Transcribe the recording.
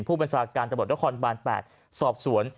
ผู้เป็นศาลการณ์ตระบวดละครบาน๘สอบสวน